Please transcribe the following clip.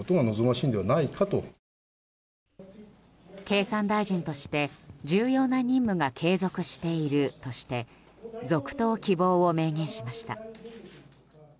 経産大臣として重要な任務が継続しているとして続投希望を明言しました。